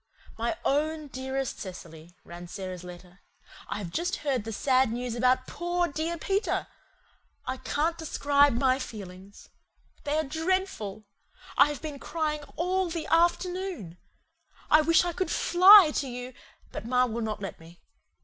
"My OWN DEAREST Cecily," ran Sara's letter. "I have just heard the sad news about POOR DEAR PETER. I can't describe MY FEELINGS. They are DREADFUL. I have been crying ALL THE AFTERNOON. I wish I could FLY to you, but ma will not let me.